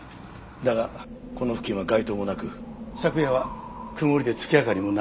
だがこの付近は街灯もなく昨夜は曇りで月明かりもなかった。